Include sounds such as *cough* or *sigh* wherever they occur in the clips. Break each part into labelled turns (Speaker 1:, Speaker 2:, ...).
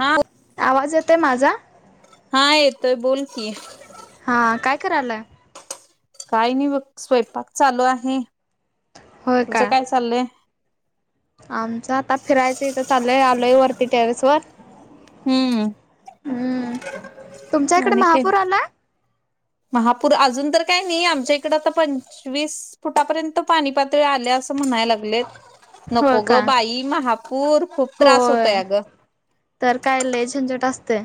Speaker 1: हा
Speaker 2: आवाज येतय माझा?
Speaker 1: हा येतोय बोल की
Speaker 2: हा काय करायलाय.
Speaker 1: काय नाही बघ स्वयंपाक चालू आहे.
Speaker 2: हो
Speaker 1: तुझं
Speaker 2: काय
Speaker 1: चाललंय?
Speaker 2: आमचं आता फिरायचं इथं चालूय. आलोय वरती टेरेस वर.
Speaker 1: हम्म
Speaker 2: हं, तुमच्या इकडे
Speaker 1: आणि काय
Speaker 2: महापूर आलाय?
Speaker 1: महापूर अजून तर काही नाही. आमच्या इकड आता पंचवीस फुटापर्यंत पाणी पातळी आल्या अस अस म्हणाय लागलेत.
Speaker 2: होय
Speaker 1: नको ग
Speaker 2: का?
Speaker 1: बाई महापूर खूप त्रास
Speaker 2: होय.
Speaker 1: होतय अगं.
Speaker 2: तर काय लय झंझट असते.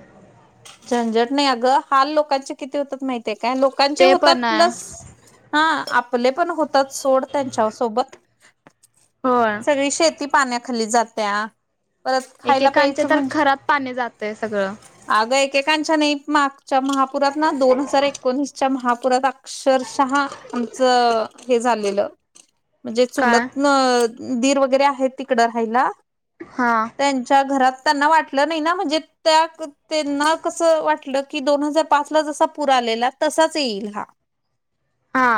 Speaker 1: झंझट नाही अगं. हाल लोकांचे किती होतात माहितीय काय? लोकांचे
Speaker 2: ते पण
Speaker 1: होतात
Speaker 2: आहे.
Speaker 1: प्लस हा आपले पण होतात सोड त्यांच्या सोबत.
Speaker 2: होय.
Speaker 1: सगळी शेती पाण्याखाली जात्या, परत खायला
Speaker 2: एकेकांचे
Speaker 1: प्यायचं
Speaker 2: तर
Speaker 1: म्हणजे
Speaker 2: घरात पाणी जातय सगळं.
Speaker 1: अगं एकेकांच्या नाही, मागच्या महापुरात ना दोन हजार एकोणीस च्या महापुरात अक्षरशः आमचं हे झालेलं. म्हणजे
Speaker 2: काय?
Speaker 1: चुलत न दीर वगैरे आहेत तिकडं राहायला.
Speaker 2: हा.
Speaker 1: त्यांच्या घरात त्यांना वाटलं नाही ना म्हणजे त्या त्यांना कस वाटलं की दोन हजार पाचला जसा पुर आलेला तसाच येईल हा.
Speaker 2: हा.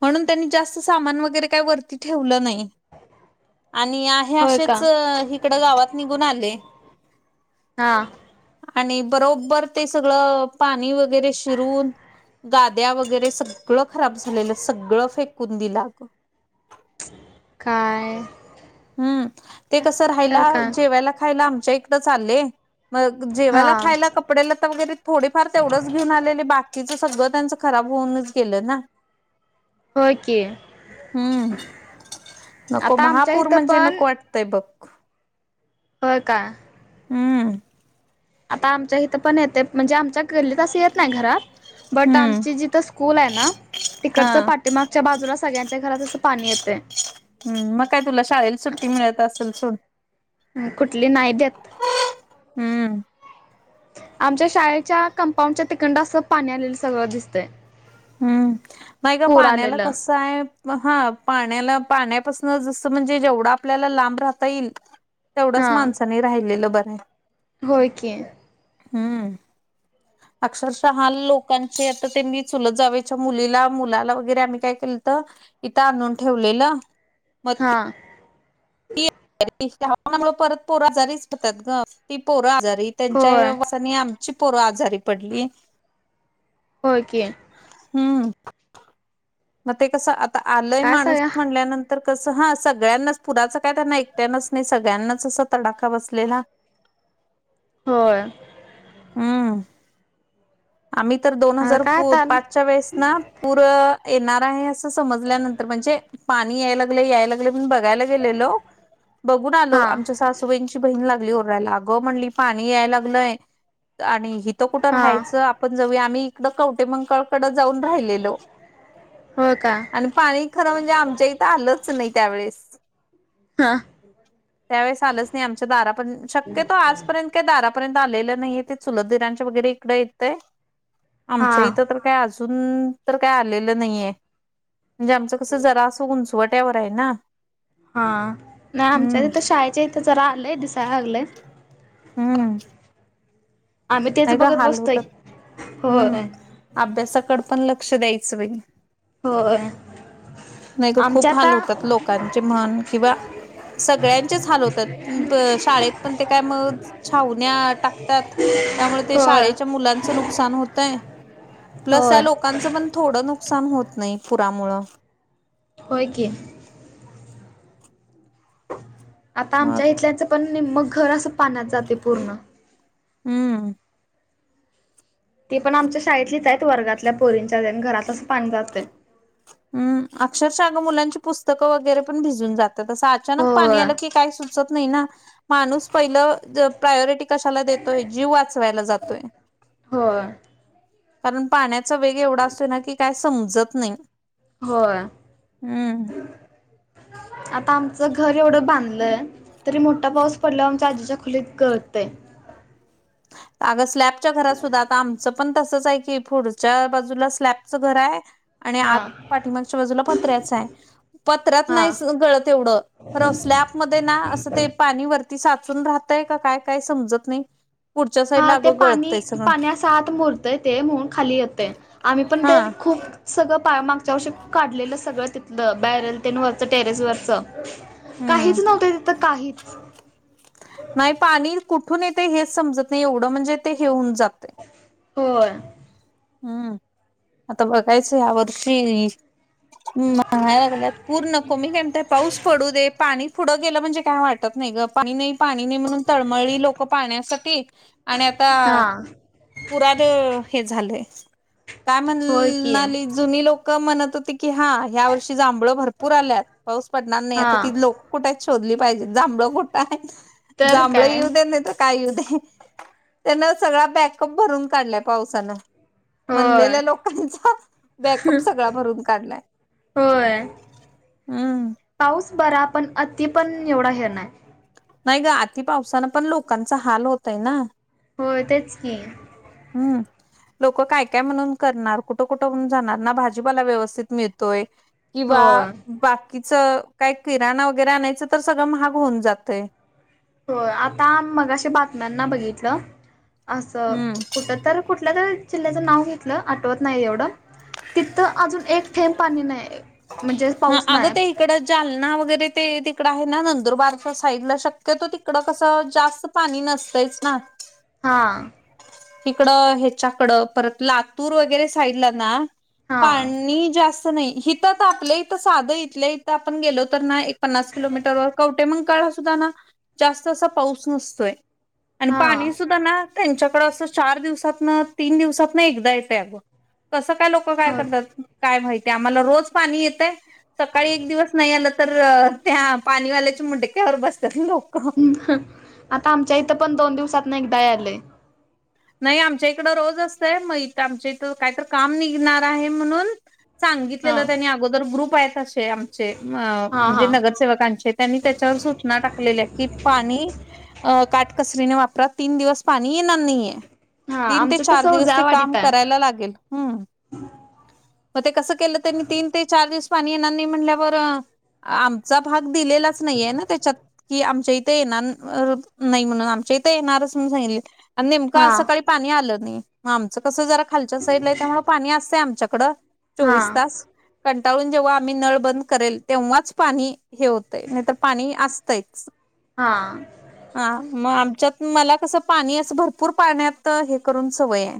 Speaker 1: म्हणून त्यांनी जास्त सामान वगैरे काही वरती ठेवलं नाही. आणि आहे
Speaker 2: होय का?
Speaker 1: असेच हिकड गावात निघून आले.
Speaker 2: हा,
Speaker 1: आणि बरोबर ते सगळं पाणी वेग गरे शिरून गाद्या वगैरे सगळं खराब झालेलं. सगळं फेकून दिल अगं.
Speaker 2: काय?
Speaker 1: हं. ते कस
Speaker 2: तर
Speaker 1: राहायला,
Speaker 2: काय?
Speaker 1: जेवायला खायला आमच्या इकडंच आले. मग
Speaker 2: हा.
Speaker 1: जेवायला खायला क पडे लत्ते वगैरे थोडेफार तेवढंच घेऊन आलेले. बाकीचं सगळं त्यांचं खराब होऊनच गेलं ना.
Speaker 2: हो की.
Speaker 1: हम्म
Speaker 2: आता आमच्या हितं पण,
Speaker 1: आटतय बघ.
Speaker 2: होय का?
Speaker 1: हं.
Speaker 2: आता आमच्या हिथं पण येते. म्हणजे आमच्या गल्लीत अस येत नाही घरात. बट
Speaker 1: हम्म
Speaker 2: आमची जिथ स्कूल आहे ना,
Speaker 1: हा
Speaker 2: तिकडचं पाठीमागच्या बाजूला सगळ्यांच्या घरात अस पाणी येतंय.
Speaker 1: हं. मग काय तुला शाळेला सुट्टी मिळत असेल सोड.
Speaker 2: कुठली? नाही देत.
Speaker 1: हं.
Speaker 2: आमच्या शाळेच्या कंपाऊंडच्या तिकंड असं पाणी आलेलं सगळं दिसतंय.
Speaker 1: हं, नाही गं
Speaker 2: पूर
Speaker 1: पाण्याला
Speaker 2: आलेलं
Speaker 1: कस आहे, म हा पाण्याला पाण्यापासन जसं म्हणजे जेवढा आपल्याला लांब राहता येईल, तेवढंच
Speaker 2: हा
Speaker 1: माणसानी राहिलेलं बरं आहे.
Speaker 2: होय की.
Speaker 1: हं. अक्षरशः हाल लोकांचे आता ते मी चुलत जावेच्या मुलीला, मुलाला वगैरे आम्ही काय केलते इथं आणून ठेवलेलं.
Speaker 2: हां.
Speaker 1: ह्या दिवशीच्या हवामानामुळे परत पोर आजारीच पडतात ग. ती पोर आजारी त्यांच्या आई
Speaker 2: होय
Speaker 1: बाबा आणि आमची पोर आजारी पडली.
Speaker 2: होय की.
Speaker 1: हं. म ते कसं? आता आलंय
Speaker 2: काय
Speaker 1: माणूस
Speaker 2: सगळ्या
Speaker 1: म्हणल्यानं तर कसं हा सगळ्यांनाच पुराच काय त्यांना एकट्यानच नाही सगळ्यांनाच अस तडाखा बसलेला
Speaker 2: होय.
Speaker 1: हम्म आम्ही तर दोन
Speaker 2: आता
Speaker 1: हजार
Speaker 2: काय ताल
Speaker 1: पाचच्या वेळेस ना. पूर येणार आहे असं समजल्यानंतर म्हणजे पाणी याय लागले याय लागले पण बघायला बघून आलो
Speaker 2: हा
Speaker 1: आमच्या सासू ची बहीण लागली ओरला अ ग म्हणली पाणी याय लागलंय आणि. कुठं
Speaker 2: हा
Speaker 1: राहायचं आपण जऊ आम्ही इकडं कवटे मंकळकडे जाऊन राहिलेलो
Speaker 2: हो का
Speaker 1: आणि पाणी खरं म्हणजे आमच्या इथं आलंच नाही त्यावेेळेस
Speaker 2: हा
Speaker 1: त्यावेेळेस आलंच नाही, आमच्या दारा पण शक्यतो आज. इथपर्यंत काय दारापर्यंत आलेलं नाही चुलत दिरांच्या वगैरे इकडें येतय
Speaker 2: हा
Speaker 1: आमच्या इथं तर का अजून तर काय आलेलं नाहीये म्हणजे आमच कस जरास उंचवट्यावर आहे ना.
Speaker 2: हा नाही आमच्यात
Speaker 1: हम्म
Speaker 2: इथं शाळेच्या इथं जरा आलंय दिसायला लागलंय
Speaker 1: हम्म.
Speaker 2: आम्ही तेच
Speaker 1: नाही का
Speaker 2: बघत
Speaker 1: हाल
Speaker 2: बसतोय
Speaker 1: होतात हम्म
Speaker 2: होय
Speaker 1: अभ्यासाकड पण लक्ष द्यायचं बाई
Speaker 2: हो
Speaker 1: नाही ग खूप हाल होतात लोकांचे म्हण किंवा सगळ्यांचेच हाल होतात शाळेत पण ते काय मग ते छावण्या टाकतात त्यामुळे ते
Speaker 2: होय
Speaker 1: शाळेच्या मुलांचं नुकसान होतय.
Speaker 2: हो
Speaker 1: प्लस त्या लोकांचं पण थोडं नुकसान होत नाही पुरामु
Speaker 2: हो की आता आमच्या
Speaker 1: मग
Speaker 2: इथल्याचं पण निम्म घर असं पाण्यात जाते पूर्ण
Speaker 1: हम्म.
Speaker 2: ती पण आमच्या शाळेतलीच आहेत वर्गातल्या पोरींच्या घरातच पाणी जातं
Speaker 1: हम् अक्षरशःग मुलांची पुस्तकं वगैरे पण भिजून जातात तं अचानक पाणी
Speaker 2: होय
Speaker 1: आलं की काय सु त नाही ना माणूस पहिलं. प्रायोरिटी कशाला देतोय जीव वाचवायला जातोय
Speaker 2: होय
Speaker 1: कारण पाण्याचा वेग एवढा असतो ना की काय समजत नाही
Speaker 2: हो.
Speaker 1: हम्म.
Speaker 2: आता आमचं घर एवढं बांधलंय तरी मोठा पाऊस पडलावर आमच्या आजीच्या खोलीत गळतय आहे
Speaker 1: अगं स्लॅबच्या घरात सुद्धा आता आमचं पण तसंच आहे की पुढच्या बाजूला स्लॅबचं घर आहे आणि
Speaker 2: हा
Speaker 1: आत पाठीमागच्या बाजूला पत्र्याच आहे. पत्रात
Speaker 2: हा
Speaker 1: नाही गळत एवढं तर स्लॅप मध्ये ना असं ते पाणीवर ती साचून राहतय काय काय समजत नाही पुढच्या साईडला
Speaker 2: हा ते
Speaker 1: अगं
Speaker 2: पाणी
Speaker 1: गळतय सगळं
Speaker 2: पाण्यास हात मोरतय ते म्हणून खाली येते, आम्ही पण
Speaker 1: हा
Speaker 2: ते खूप. सगळ पा मागच्या वर्षी काढलेलं सगळं तिथलं बॅरल टेन वरच टेरेस वरच
Speaker 1: हम्म
Speaker 2: काहीच नव्हत तिथं काहीच
Speaker 1: नाही पाणी कुठून येते हेच समजत नाही एवढं म्हणजे ते हेऊन जातं
Speaker 2: हो.
Speaker 1: हम्म आता बघायचं या वर्षी् हांाय लागल्यात पूर्ण कमी काणता पाऊस पडू दे पाणी पुढं गेलं म्हणजे, काय वाटत नाही ग पाणी नाही. पाणी नाही म्हणून तळमळी लोक पाहण्यासाठी आणि आता
Speaker 2: हा
Speaker 1: पुराात हे झालंय काय
Speaker 2: होय की
Speaker 1: म्हणणाली जुनी लोक म्हणत होती, की हा ह्या वर्षी जांभळ भरपूर आल्यात पाऊस पडणार नाही
Speaker 2: हा
Speaker 1: आता तिथ लोक. कुठ शोधली पाहिजे जांभळं कुठं आहे
Speaker 2: तर
Speaker 1: जांभळ
Speaker 2: काय
Speaker 1: येऊ दे्या नाही त काय येऊ दे त्यांन सगळा बॅकअप भरून काढलाय पावसानं
Speaker 2: होय
Speaker 1: म्हणलेल्या लोकांचा बॅकअप सगळा भरून काढलाय.
Speaker 2: होय
Speaker 1: हम्म
Speaker 2: पाऊस बरा पण अति पण एवढा हे नाय.
Speaker 1: नाही ग आति पावसानं पण लोकांचं हाल होतयं ना.
Speaker 2: हो तेच की
Speaker 1: हम्म लोकं काय काय म्हणून करणार कुठं कुठं म्हणून जाणार ना भाजीपाला व्यवस्थित मिळतोय. किंवा
Speaker 2: होय
Speaker 1: बाकीच काय किराणा वगैरे आणायचं तर सगळं महाग होऊन जातयं.
Speaker 2: होय आता मगाशी बातम्यांना बघितलं. असं
Speaker 1: हम्म
Speaker 2: कुठ तर कुठल्या तर चिल्ल्याचं नाव घेतलं आठवत नाही एवढं, तिथं अजून एक थेंब पाणी नाही. म्हणजे
Speaker 1: हा
Speaker 2: पाऊस
Speaker 1: आगं
Speaker 2: नाही
Speaker 1: ते तिकडं जालना वगैरे ते तिकड आहे ना नंदुरबारच्या साईड ला शक्यतो तिकड कसं जास्त पाणी नसतंयच ना.
Speaker 2: हा
Speaker 1: तिकडं ह्याच्याकडं परत लातूर वगैरे साईडला ना
Speaker 2: हा
Speaker 1: पाणी जास्त नाही हिथ आपल्या इथं साधं इथल्या इथं आपण गेलो तर ना एक पन्नास किलोमीटर वर कवटेमंकाळ ला सुद्धा ना जास्त असा पाऊस नसतोय. आणि
Speaker 2: हा
Speaker 1: पाणी सुद्धा ना त्यांच्याकड असं चार दिवसातनं तीन दिवसातनं एकदा येतयं अगं तसं काय लोकं
Speaker 2: हो
Speaker 1: करत्यात काय माहितीे, आम्हाला रोज पाणी येतयं. सकाळी एक दिवस नाही आलं तर त्या पाणीवाल्याच्या मुंडक्यावर बसत्यात लोकं.
Speaker 2: आता आमच्या इथं पण दोन दिवसात ना एकदा येयाल्लयं.
Speaker 1: नाही आमच्या इकडं रोज असतंय मग इथं आमच्या इथं कायतर काम निघणार आहे म्हणून
Speaker 2: हा
Speaker 1: सांगितलेलं त्यांनी अगोदर ग्रुप आहेत असे आमचे अ
Speaker 2: हा
Speaker 1: म्हणजे
Speaker 2: हा
Speaker 1: नगरसेवकांचे त्यांनी त्याच्यावर सूचना टाकलेल्या की पाणी अ काटकसरीने वापरा तीन दिवस पाणी येणार नाहीये.
Speaker 2: हा
Speaker 1: तीन ते
Speaker 2: आमचं
Speaker 1: चार
Speaker 2: तसं
Speaker 1: दिवस ते काम
Speaker 2: उजाळवाडीत आहे
Speaker 1: करायला लागेल. हम् मग ते कसं केलं त्यांनी तीन ते चार दिवस पाननानी म्हल्यावर आमचा भाग दिलेलाच नाहीये ना त्याच्यात की आमच्या इथे येणार अ नाही म्हणून आमच्या इथे येणारच म्हणून सांगितले आणि नेमकं
Speaker 2: हा
Speaker 1: आज सकाळी पाणी आलं नाही मग आमचं कसं जरा खालच्या साईडला आहे त्यामुळ पाणी असतंय आमच्याकडं.
Speaker 2: हा
Speaker 1: चोवीस तास कंटाळून जेव्हा आम्ही नळ बंद करेल तेव्हाच पाणी हे होतय नाही तर पाणी असतंयच.
Speaker 2: हा
Speaker 1: हा मग आमच्यात मला कसं पाणी असं भर पूर पाण्यात हे करून सवय हाय.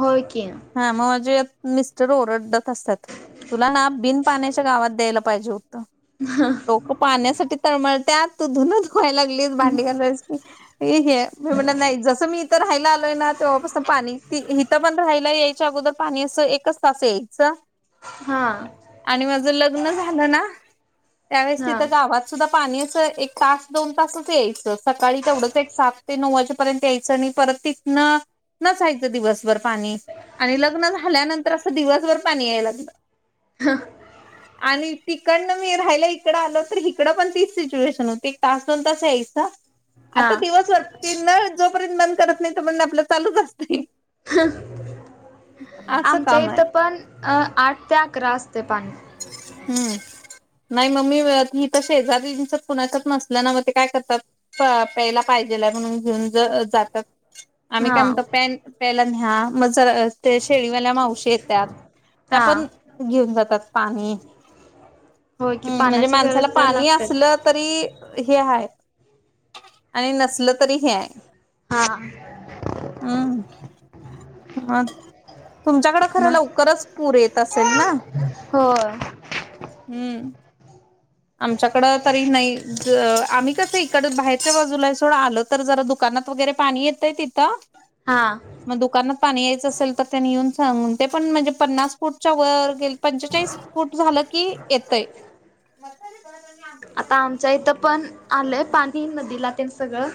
Speaker 2: हो की.
Speaker 1: हा मग माझे मिस्टर ओरडतात असं. तुला ना बिन पाण्याच्या गावात द्यायला पाहिजे होतं डोकं पाण्यासाठी तळमळत्यात तू धुूनं धुवायला लागलीस भांडी घासायला हे मी म्हण नाही जसं मी इथं राहायला आलोय ना तेव्हापासून पाणी इथं पण राहायला यायच्या अगोदर पाणी असं एकच तास यायचं.
Speaker 2: ह
Speaker 1: आणि माझ लग्न झालं ना त्यावेळेस
Speaker 2: हा
Speaker 1: तिथं गावात सुधा पाणी अस, एक तास दोन तासच यायचं, सकाळी तेवढंच एक सात ते नऊ वाजेपर्यंत यायचं आणि परत तिथनं नसायचं दिवसभर पाणी आणि लग्न झाल्यानंतर असं दिवसभर पाणी याया लागलं आणि तिकडनं मी राहियला इकडं आलो तरी इकडं पण तीच सिच्युएशन होती तास दोन तास यायचं
Speaker 2: हा
Speaker 1: आता दिवस वाटते ना, जोपर्यंत मन करत नाही तो पर्यत आपल चालूच असतय. असं
Speaker 2: आमच्या
Speaker 1: काम आहे.
Speaker 2: इथं पण अ आठ ते अकरा, असतय पाणी.
Speaker 1: हूं नाही म मी हित शेजारीच कुणाचंच नसल्या न मग ते काय करतात? त प्यायला पाहिजेलाय म्हणून घेऊन ज जातात. आम्ही
Speaker 2: हा
Speaker 1: काय म्हणतो पॅन प्यायला न्ह्या मग जर ते शेळीवाल्या मावशी येतात त्या
Speaker 2: हा
Speaker 1: पण घेऊन जातात. ह ह
Speaker 2: होय की
Speaker 1: म्हणजे
Speaker 2: पाण्याची
Speaker 1: मानसाला
Speaker 2: गरज तर
Speaker 1: पाणी
Speaker 2: लागतेच.
Speaker 1: असलं तरी हे हाय आणि नसलं तरी हे आहे.
Speaker 2: हा!
Speaker 1: *inaudible* ह तुमच्याकडे खरं
Speaker 2: मग
Speaker 1: लवकरच पूर येत असेल ना.
Speaker 2: हो!
Speaker 1: हूं! आमच्याकडं तरी नाही, ज आम्ही कसं इकडं बाहेरच्या बाजूला सोडं आलो तर जरा दुकानात वगैरे पाणी येतंय तिथं
Speaker 2: हां.
Speaker 1: म दुकानात पाणी यायचं असल तर, त्यांनी येऊन सांगून ते पण म्हणजे पन्नास फूटच्या वर गेल, पंचेचाळीस फूट झालं की येतय.
Speaker 2: आता आमच्या इथं पण आलंय, पाणी नदीला तेन सगळं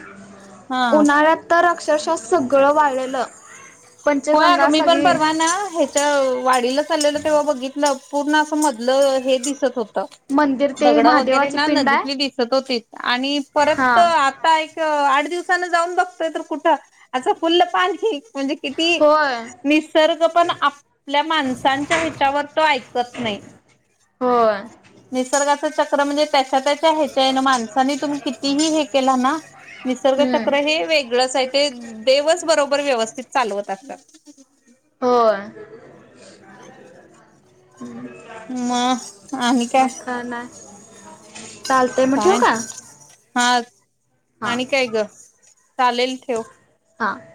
Speaker 1: हा
Speaker 2: उन्हाळ्यात. तर अक्षरशः सगळं वाळलेलं.
Speaker 1: होय अगं
Speaker 2: पंचगंगा
Speaker 1: मी पण
Speaker 2: सगळी
Speaker 1: परवाना हे च वाडीला चाललेलं तेव्हा बघितलं, पूर्ण असं मधलं हे दिसत होत.
Speaker 2: मंदिर ते
Speaker 1: दगड वगैरे
Speaker 2: महादेवाची
Speaker 1: ना
Speaker 2: पिंड
Speaker 1: नदि
Speaker 2: आहे.
Speaker 1: तली दिसत होती, आणि
Speaker 2: हा
Speaker 1: परत आत आता एक आठ दिवसान जाऊन बघतोय, तर कुठं आं फुल्ल पाणी म्हणजे किती
Speaker 2: होय
Speaker 1: निसर्ग पण आपल्या माणसांच्या ह्याच्यावर तो ऐकत नाही.
Speaker 2: होय
Speaker 1: निसर्गाचं चक्र म्हणजे त्याच्या त्या. त्यां ह्याच्याने माणसा नी तुम्ही कितीही हे केल ना, निसर्ग
Speaker 2: हम्म.
Speaker 1: चक्र हे वेगळंच आहे. ते देवच बरोबर व्यवस्थित चालवत असतात.
Speaker 2: होय.
Speaker 1: म आणी काय.
Speaker 2: *unintelligible* ना.
Speaker 1: काय हा,
Speaker 2: हा
Speaker 1: आणि काय ग चालेल ठेव.
Speaker 2: हा!